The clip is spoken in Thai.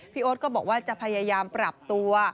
โอ๊ตก็บอกว่าจะพยายามปรับตัว